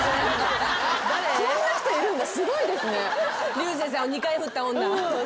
竜星さんを２回振った女。